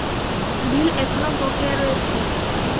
বিল এখনও বকেয়া রয়েছে!